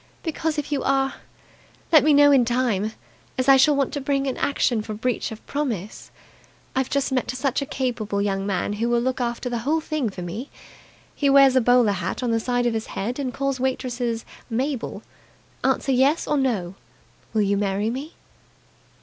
"Because, if you are, let me know in time, as I shall want to bring an action for breach of promise. I've just met such a capable young man who will look after the whole thing for me. He wears a bowler hat on the side of his head and calls waitresses 'Mabel'. Answer 'yes' or 'no'. Will you marry me?"